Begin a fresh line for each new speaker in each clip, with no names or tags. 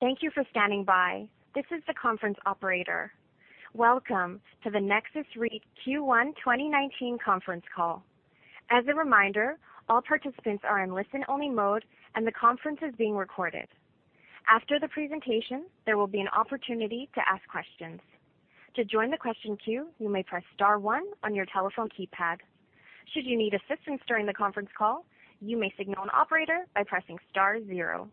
Thank you for standing by. This is the conference operator. Welcome to the Nexus REIT Q1 2019 conference call. As a reminder, all participants are in listen-only mode and the conference is being recorded. After the presentation, there will be an opportunity to ask questions. To join the question queue, you may press star one on your telephone keypad. Should you need assistance during the conference call, you may signal an operator by pressing star zero.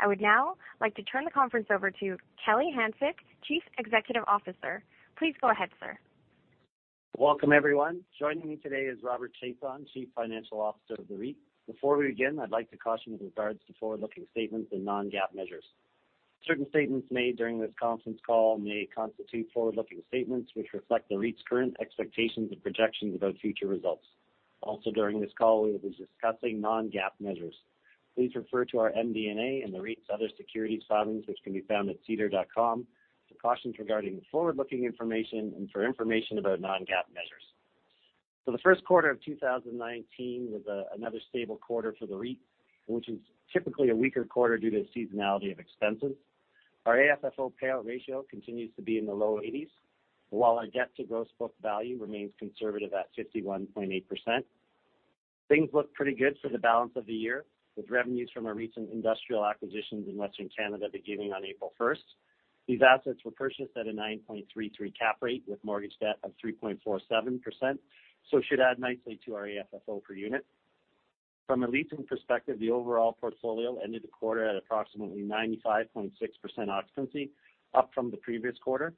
I would now like to turn the conference over to Kelly Hanczyk, Chief Executive Officer. Please go ahead, sir.
Welcome, everyone. Joining me today is Robert Chiasson, Chief Financial Officer of the REIT. Before we begin, I'd like to caution with regards to forward-looking statements and non-GAAP measures. Certain statements made during this conference call may constitute forward-looking statements, which reflect the REIT's current expectations and projections about future results. Also, during this call, we will be discussing non-GAAP measures. Please refer to our MD&A and the REIT's other securities filings, which can be found at sedar.com for cautions regarding forward-looking information and for information about non-GAAP measures. For the first quarter of 2019 was another stable quarter for the REIT, which is typically a weaker quarter due to seasonality of expenses. Our AFFO payout ratio continues to be in the low 80s, while our debt to gross book value remains conservative at 51.8%. Things look pretty good for the balance of the year, with revenues from our recent industrial acquisitions in Western Canada beginning on April 1st. These assets were purchased at a 9.33 cap rate with mortgage debt of 3.47%, so should add nicely to our AFFO per unit. From a leasing perspective, the overall portfolio ended the quarter at approximately 95.6% occupancy, up from the previous quarter.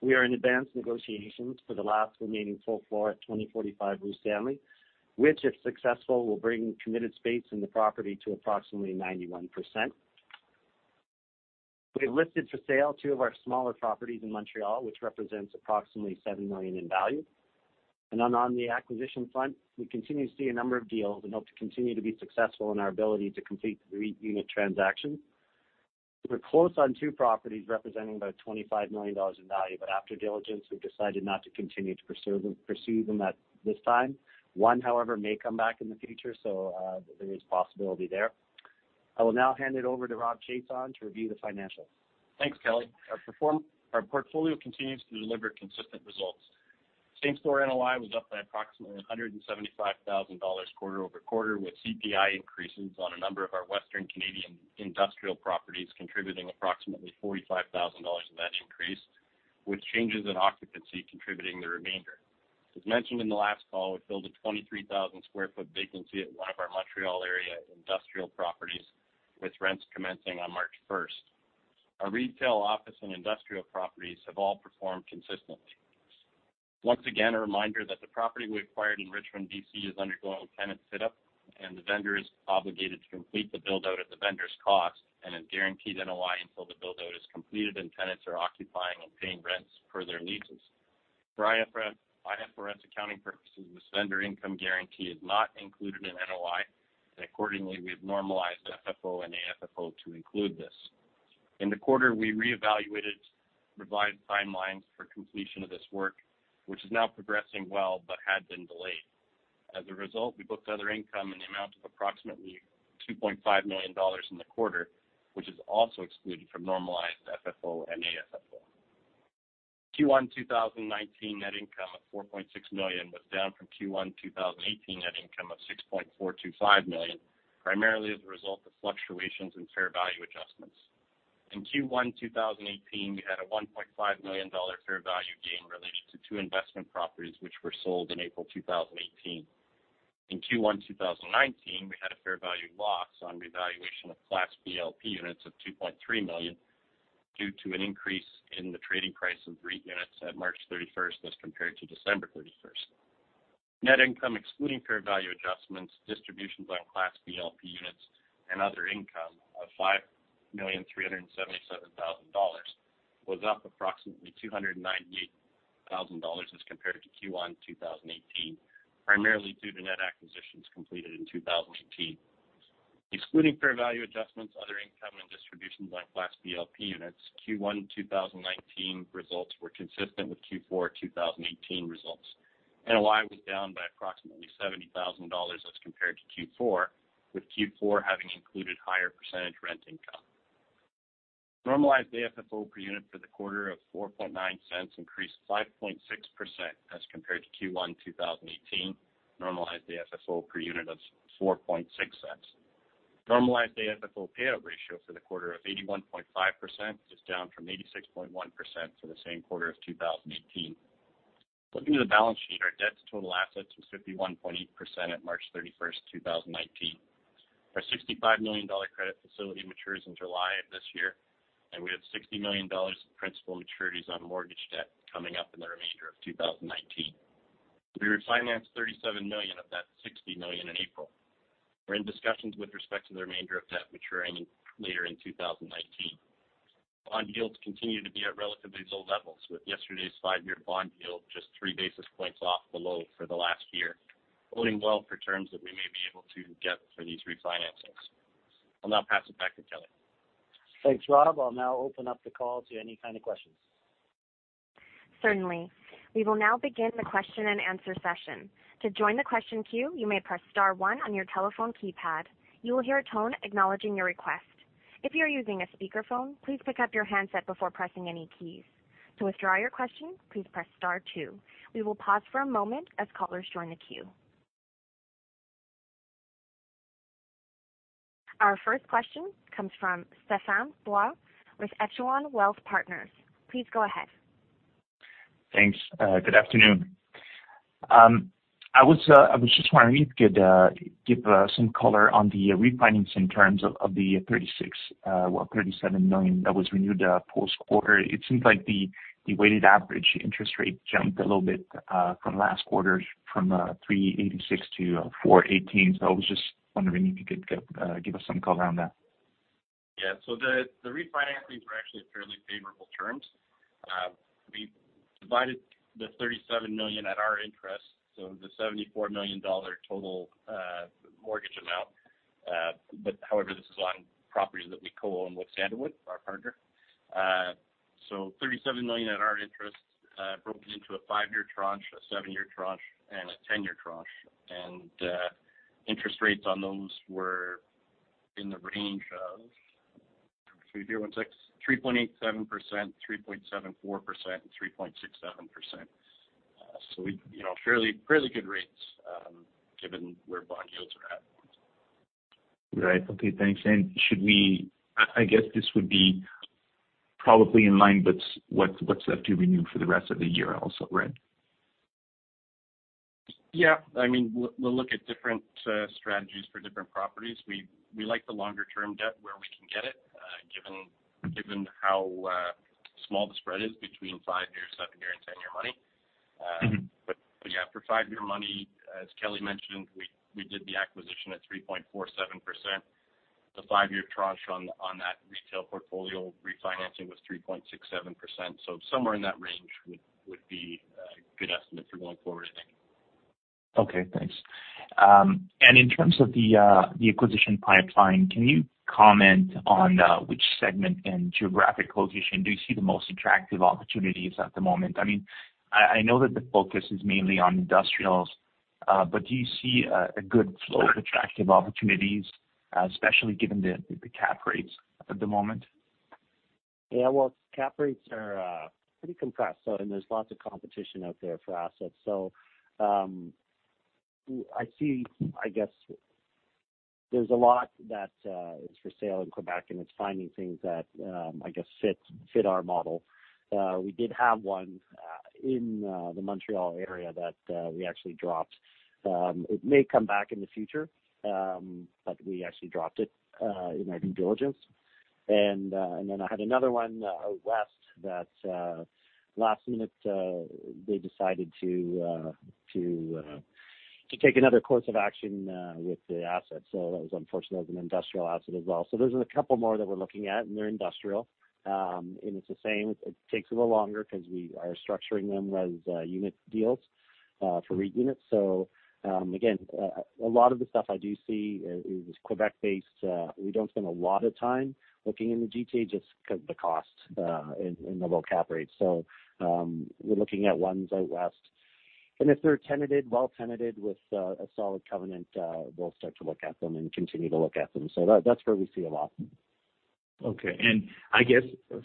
We are in advanced negotiations for the last remaining full floor at 2045 Stanley Street, which, if successful, will bring committed space in the property to approximately 91%. We have listed for sale two of our smaller properties in Montreal, which represents approximately 7 million in value. On the acquisition front, we continue to see a number of deals and hope to continue to be successful in our ability to complete the REIT unit transaction. We're close on two properties representing about 25 million dollars in value, after diligence, we've decided not to continue to pursue them at this time. One, however, may come back in the future, there is possibility there. I will now hand it over to Robert Chiasson to review the financials.
Thanks, Kelly. Our portfolio continues to deliver consistent results. Same-store NOI was up by approximately 175,000 dollars quarter-over-quarter, with CPI increases on a number of our Western Canadian industrial properties contributing approximately 45,000 dollars of that increase, with changes in occupancy contributing the remainder. As mentioned in the last call, we filled a 23,000 sq ft vacancy at one of our Montreal area industrial properties with rents commencing on March 1st. Our retail office and industrial properties have all performed consistently. Once again, a reminder that the property we acquired in Richmond, B.C. is undergoing tenant setup and the vendor is obligated to complete the build-out at the vendor's cost and is guaranteed NOI until the build-out is completed and tenants are occupying and paying rents per their leases. For IFRS accounting purposes, this vendor income guarantee is not included in NOI, and accordingly, we have normalized FFO and AFFO to include this. In the quarter, we reevaluated revised timelines for completion of this work, which is now progressing well but had been delayed. As a result, we booked other income in the amount of approximately 2.5 million dollars in the quarter, which is also excluded from normalized FFO and AFFO. Q1 2019 net income of 4.6 million was down from Q1 2018 net income of 6.425 million, primarily as a result of fluctuations in fair value adjustments. In Q1 2018, we had a 1.5 million dollar fair value gain related to two investment properties, which were sold in April 2018. In Q1 2019, we had a fair value loss on revaluation of Class B LP units of 2.3 million due to an increase in the trading price of REIT units at March 31st as compared to December 31st. Net income excluding fair value adjustments, distributions on Class B LP units, and other income of 5,377,000 dollars was up approximately 298,000 dollars as compared to Q1 2018, primarily due to net acquisitions completed in 2018. Excluding fair value adjustments, other income, and distributions on Class B LP units, Q1 2019 results were consistent with Q4 2018 results. NOI was down by approximately 70,000 dollars as compared to Q4, with Q4 having included higher percentage rent income. Normalized AFFO per unit for the quarter of 0.049 increased 5.6% as compared to Q1 2018, normalized AFFO per unit of 0.046. Normalized AFFO payout ratio for the quarter of 81.5% is down from 86.1% for the same quarter of 2018. Looking at the balance sheet, our debt to total assets was 51.8% at March 31st, 2019. Our 65 million dollar credit facility matures in July of this year, and we have 60 million dollars of principal maturities on mortgage debt coming up in the remainder of 2019. We refinanced 37 million of that 60 million in April. We're in discussions with respect to the remainder of debt maturing later in 2019. Bond yields continue to be at relatively low levels, with yesterday's five-year bond yield just three basis points off the low for the last year, boding well for terms that we may be able to get for these refinancings. I'll now pass it back to Kelly.
Thanks, Rob. I'll now open up the call to any kind of questions.
Certainly. We will now begin the question and answer session. To join the question queue, you may press star one on your telephone keypad. You will hear a tone acknowledging your request. If you are using a speakerphone, please pick up your handset before pressing any keys. To withdraw your question, please press star two. We will pause for a moment as callers join the queue. Our first question comes from Stefan Blanc with Echelon Wealth Partners. Please go ahead.
Thanks. Good afternoon. I was just wondering if you could give some color on the refinancing terms of the 37 million that was renewed post-quarter. It seems like the weighted average interest rate jumped a little bit from last quarter's from 3.86% to 4.18%. I was just wondering if you could give us some color on that.
Yeah. The refinancings were actually fairly favorable terms. We divided the 37 million at our interest, the 74 million dollar total mortgage amount. However, this is on properties that we co-own with Sandalwood, our partner. CAD 37 million at our interest broken into a five-year tranche, a seven-year tranche, and a 10-year tranche. Interest rates on those were in the range of 3.87%, 3.74%, and 3.67%. Fairly good rates given where bond yields are at.
Okay, thanks. I guess this would be probably in line with what's left to renew for the rest of the year also, right?
Yeah. We'll look at different strategies for different properties. We like the longer-term debt where we can get it given how small the spread is between five-year, seven-year, and 10-year money. Yeah, for five-year money, as Kelly mentioned, we did the acquisition at 3.47%. The five-year tranche on that retail portfolio refinancing was 3.67%. Somewhere in that range would be a good estimate for going forward, I think.
Okay, thanks. In terms of the acquisition pipeline, can you comment on which segment and geographic location do you see the most attractive opportunities at the moment? I know that the focus is mainly on industrials, but do you see a good flow of attractive opportunities, especially given the cap rates at the moment?
Well, cap rates are pretty compressed, and there's lots of competition out there for assets. I see, I guess, there's a lot that is for sale in Quebec, and it's finding things that fit our model. We did have one in the Montreal area that we actually dropped. It may come back in the future, but we actually dropped it in our due diligence. I had another one out West that last minute they decided to take another course of action with the asset. That was unfortunate. It was an industrial asset as well. There's a couple more that we're looking at, and they're industrial. It's the same. It takes a little longer because we are structuring them as unit deals for REIT units. Again, a lot of the stuff I do see is Quebec-based. We don't spend a lot of time looking in the GTA just because of the cost and the low cap rates. We're looking at ones out West. If they're tenanted, well tenanted with a solid covenant, we'll start to look at them and continue to look at them. That's where we see a lot.
I guess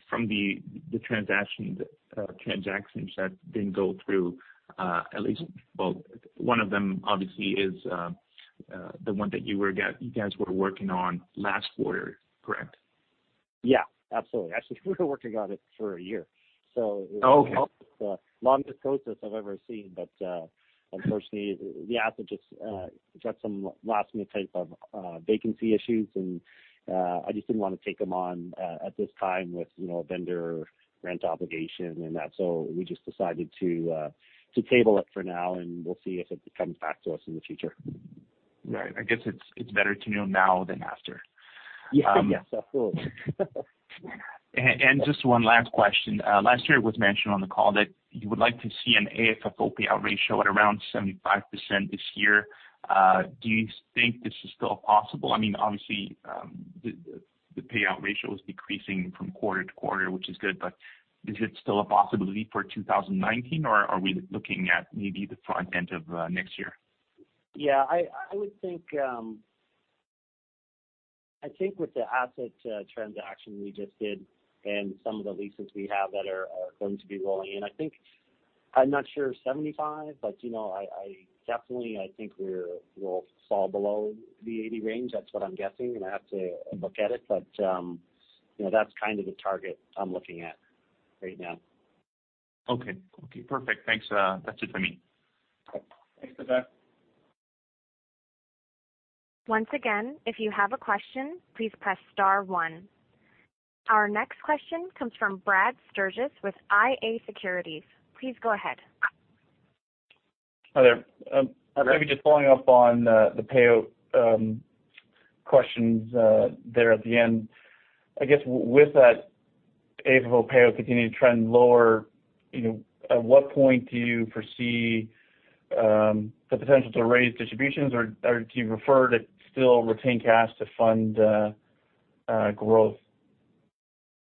from the transactions that didn't go through at least, well, one of them obviously is the one that you guys were working on last quarter, correct?
Absolutely. Actually, we were working on it for a year.
Okay.
It was the longest process I've ever seen. Unfortunately, the asset just got some last-minute type of vacancy issues, and I just didn't want to take them on at this time with a vendor rent obligation and that. We just decided to table it for now, and we'll see if it comes back to us in the future.
Right. I guess it's better to know now than after.
Yeah. Yes, absolutely.
Just one last question. Last year, it was mentioned on the call that you would like to see an AFFO payout ratio at around 75% this year. Do you think this is still possible? Obviously, the payout ratio is decreasing from quarter to quarter, which is good, but is it still a possibility for 2019, or are we looking at maybe the front end of next year?
Yeah. I think with the asset transaction we just did and some of the leases we have that are going to be rolling in, I think, I'm not sure 75%, but definitely I think we'll fall below the 80% range. That's what I'm guessing, and I have to look at it. That's kind of the target I'm looking at right now.
Okay. Perfect. Thanks. That's it for me.
Thanks, Stefan.
Once again, if you have a question, please press star one. Our next question comes from Brad Sturges with iA Securities. Please go ahead.
Hi there.
Hi, Brad.
Maybe just following up on the payout questions there at the end. I guess with that AFFO payout continuing to trend lower, at what point do you foresee the potential to raise distributions, or do you prefer to still retain cash to fund growth.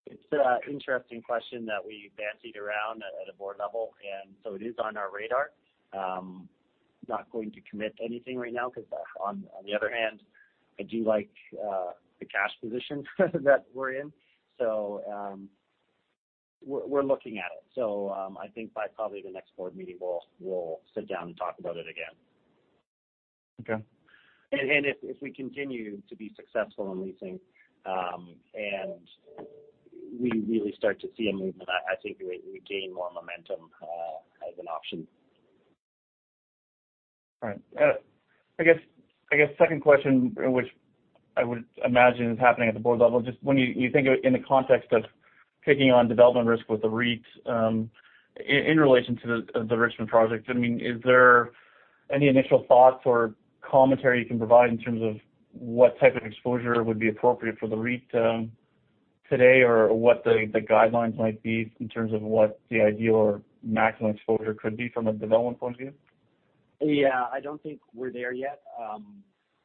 It's an interesting question that we bandied around at a board level, and so it is on our radar. Not going to commit anything right now because on the other hand, I do like the cash position that we're in. We're looking at it. I think by probably the next board meeting, we'll sit down and talk about it again.
Okay.
If we continue to be successful in leasing, and we really start to see a movement, I think it would gain more momentum, as an option.
Right. I guess second question, which I would imagine is happening at the board level, just when you think of it in the context of taking on development risk with the REIT, in relation to the Richmond project. Is there any initial thoughts or commentary you can provide in terms of what type of exposure would be appropriate for the REIT today, or what the guidelines might be in terms of what the ideal or maximum exposure could be from a development point of view?
Yeah. I don't think we're there yet.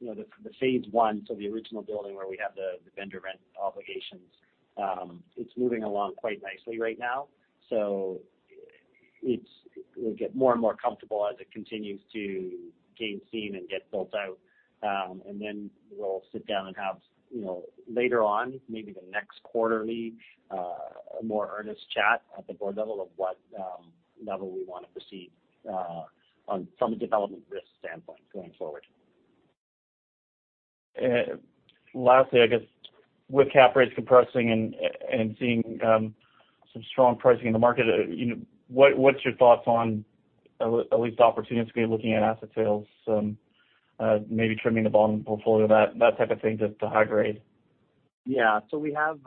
The phase 1, the original building where we have the vendor rent obligations, it's moving along quite nicely right now. We'll get more and more comfortable as it continues to gain steam and get built out. Then we'll sit down and have, later on, maybe the next quarterly, a more earnest chat at the board level of what level we want to proceed from a development risk standpoint going forward.
Lastly, I guess with cap rates compressing and seeing some strong pricing in the market, what's your thoughts on at least the opportunity of looking at asset sales, maybe trimming the bottom of the portfolio, that type of thing, just to high grade?
Yeah. We have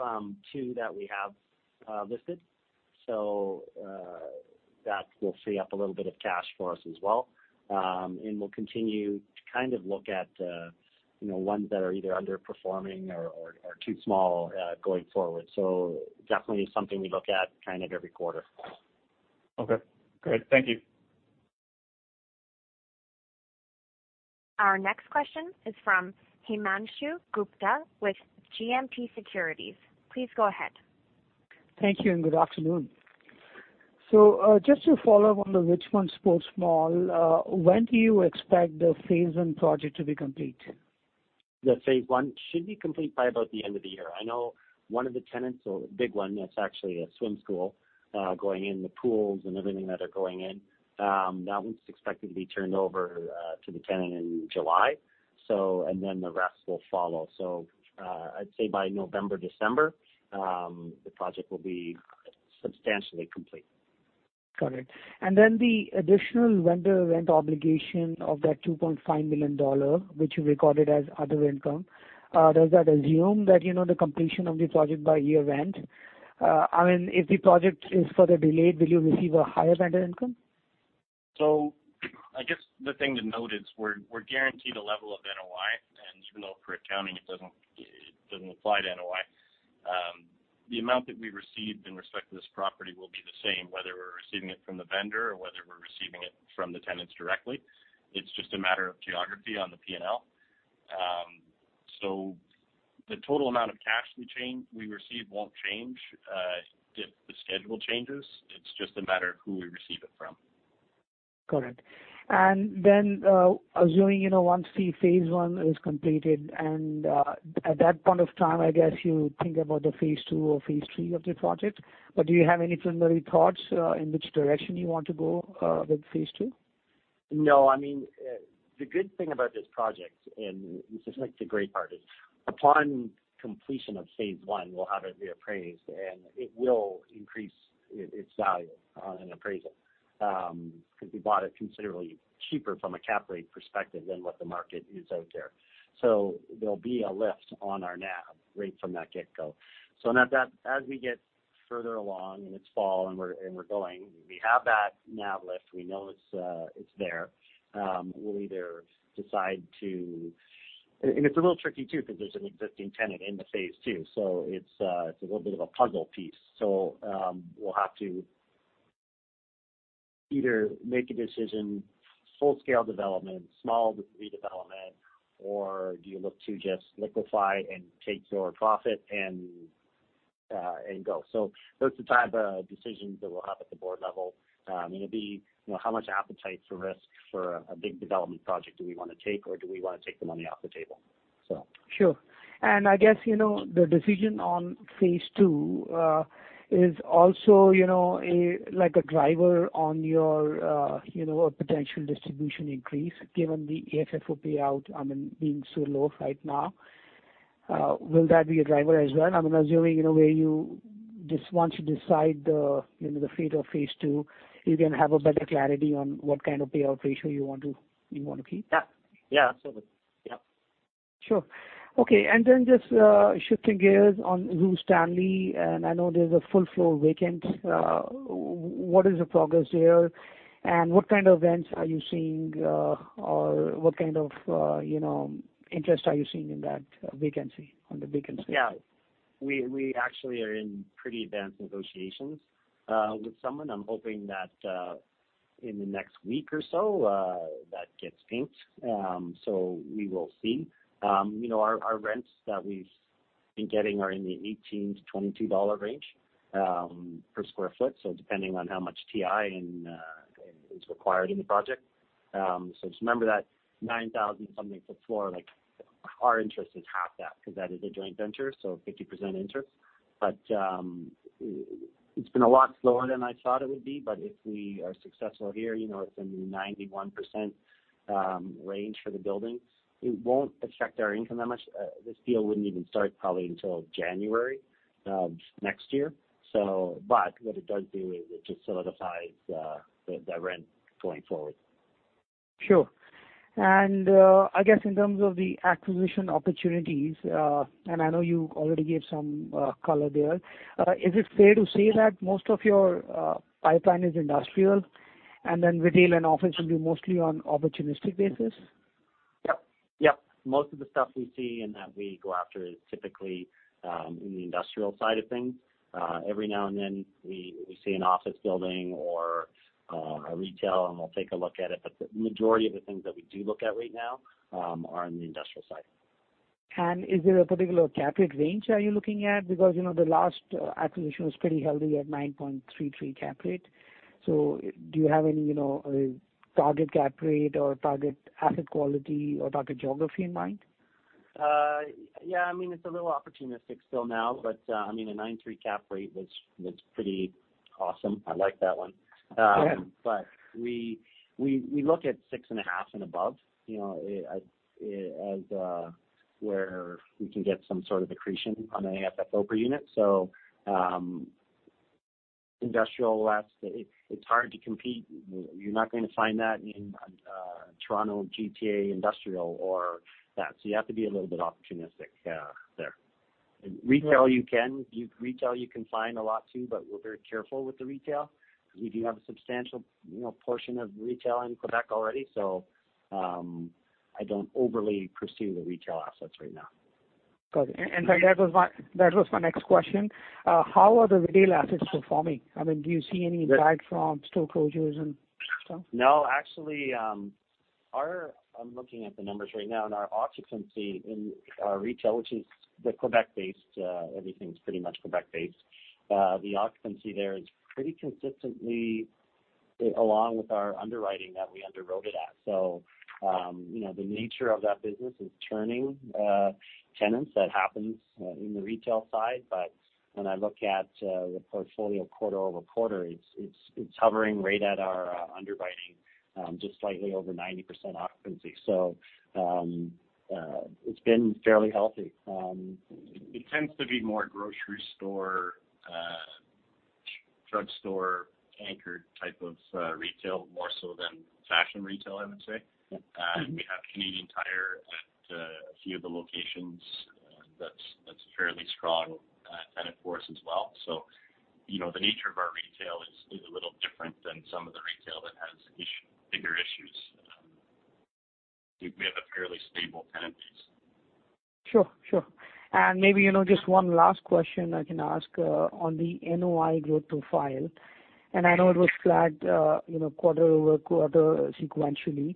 two that we have listed. That will free up a little bit of cash for us as well. We'll continue to kind of look at ones that are either underperforming or are too small, going forward. Definitely something we look at kind of every quarter.
Okay, great. Thank you.
Our next question is from Himanshu Gupta with GMP Securities. Please go ahead.
Thank you and good afternoon. Just to follow up on the Richmond Sports Mall, when do you expect the phase 1 project to be complete?
The phase 1 should be complete by about the end of the year. I know one of the tenants, a big one that's actually a swim school, going in the pools and everything that are going in. That one's expected to be turned over to the tenant in July. The rest will follow. I'd say by November, December, the project will be substantially complete.
Got it. The additional vendor rent obligation of that 2.5 million dollar, which you recorded as other income, does that assume that the completion of the project by year-end? If the project is further delayed, will you receive a higher vendor income?
I guess the thing to note is we're guaranteed a level of NOI and even though for accounting it doesn't apply to NOI. The amount that we received in respect to this property will be the same, whether we're receiving it from the vendor or whether we're receiving it from the tenants directly. It's just a matter of geography on the P&L. The total amount of cash we receive won't change if the schedule changes. It's just a matter of who we receive it from.
Correct. Assuming, once the phase 1 is completed and, at that point of time, I guess you think about the phase 2 or phase 3 of the project. Do you have any preliminary thoughts, in which direction you want to go, with phase 2?
No, the good thing about this project, and in fact the great part is, upon completion of phase 1, we'll have it reappraised, and it will increase its value on an appraisal. We bought it considerably cheaper from a cap rate perspective than what the market is out there. There'll be a lift on our NAV right from that get-go. As we get further along in its fall and we're going, we have that NAV lift. We know it's there. We'll either decide to. It's a little tricky too, because there's an existing tenant in the phase 2, so it's a little bit of a puzzle piece. We'll have to either make a decision, full-scale development, small redevelopment, or do you look to just liquefy and take your profit and go. Those are the type of decisions that we'll have at the board level. It'll be how much appetite for risk for a big development project do we want to take, or do we want to take the money off the table?
Sure. I guess the decision on phase 2 is also like a driver on your potential distribution increase given the AFFO payout being so low right now. Will that be a driver as well? I'm assuming where you just want to decide the fate of phase 2, you can have a better clarity on what kind of payout ratio you want to keep.
Yeah. Absolutely. Yep.
Sure. Okay, just shifting gears on Stanley Street, I know there's a full floor vacant. What is the progress here, what kind of rents are you seeing, or what kind of interest are you seeing in that vacancy, on the vacancy side?
Yeah. We actually are in pretty advanced negotiations with someone. I'm hoping that in the next week or so, that gets inked. We will see. Our rents that we've been getting are in the 18 to 22 dollar range per square foot, depending on how much TI is required in the project. Just remember that 9,000 and something foot floor, our interest is half that because that is a joint venture, 50% interest. It's been a lot slower than I thought it would be. If we are successful here, it's in the 91% range for the building. It won't affect our income that much. This deal wouldn't even start probably until January next year. What it does do is it just solidifies the rent going forward.
Sure. I guess in terms of the acquisition opportunities, I know you already gave some color there, is it fair to say that most of your pipeline is industrial, retail and office will be mostly on opportunistic basis?
Yep. Most of the stuff we see that we go after is typically in the industrial side of things. Every now and then we see an office building or a retail, we'll take a look at it. The majority of the things that we do look at right now are on the industrial side.
Is there a particular cap rate range that you're looking at? Because the last acquisition was pretty healthy at 9.33 cap rate. Do you have any target cap rate or target asset quality or target geography in mind?
Yeah, it's a little opportunistic still now, but a 9.3 cap rate was pretty awesome. I like that one.
Go ahead.
We look at six and a half and above, as where we can get some sort of accretion on an AFFO per unit. Industrial, it's hard to compete. You're not going to find that in Toronto GTA Industrial or that. You have to be a little bit opportunistic there. Retail, you can find a lot too, but we're very careful with the retail because we do have a substantial portion of retail in Quebec already. I don't overly pursue the retail assets right now.
Got it. In fact, that was my next question. How are the retail assets performing? Do you see any impact from store closures and stuff?
No, actually, I'm looking at the numbers right now. Our occupancy in our retail, which is the Quebec-based, everything's pretty much Quebec-based. The occupancy there is pretty consistently along with our underwriting that we underwrote it at. The nature of that business is turning tenants. That happens in the retail side. When I look at the portfolio quarter-over-quarter, it's hovering right at our underwriting, just slightly over 90% occupancy. It's been fairly healthy.
It tends to be more grocery store, drug store anchored type of retail, more so than fashion retail, I would say.
Okay.
We have Canadian Tire at a few of the locations. That's a fairly strong tenant for us as well. The nature of our retail is a little different than some of the retail that has bigger issues. We have a fairly stable tenant base.
Sure. Maybe just one last question I can ask on the NOI growth profile. I know it was flat quarter-over-quarter sequentially.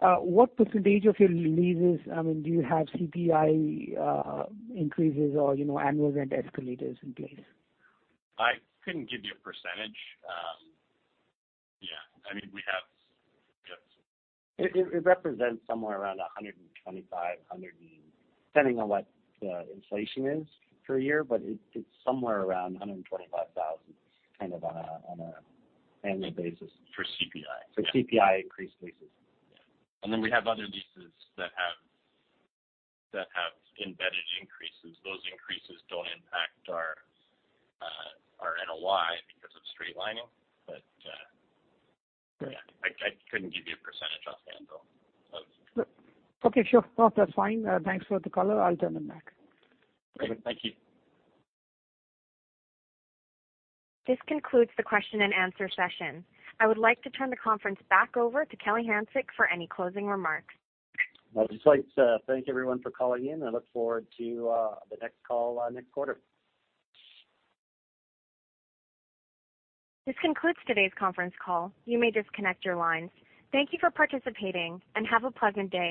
What percentage of your leases, do you have CPI increases or annual rent escalators in place?
I couldn't give you a percentage. Yeah.
It represents somewhere around 125, depending on what the inflation is for a year. It's somewhere around 125,000 on an annual basis.
For CPI.
For CPI increase leases.
Yeah. We have other leases that have embedded increases. Those increases don't impact our NOI because of straight lining.
Sure
Yeah, I couldn't give you a percentage offhand, though.
Okay, sure. No, that's fine. Thanks for the color. I'll turn it back.
Great. Thank you.
This concludes the question and answer session. I would like to turn the conference back over to Kelly Hanczyk for any closing remarks.
I'd just like to thank everyone for calling in. I look forward to the next call next quarter.
This concludes today's conference call. You may disconnect your lines. Thank you for participating, and have a pleasant day.